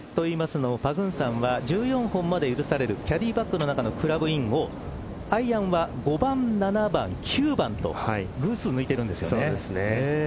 パグンサンは１４本まで許されるキャディーバッグの中のクラブをアイアンは５番、７番、９番と偶数を抜いているんですよね。